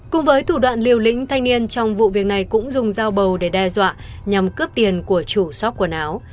cùng với thủ đoạn liều lĩnh thanh niên trong vụ việc này cũng dùng dao bầu để đe dọa nhằm cướp tiền của chủ shop quần áo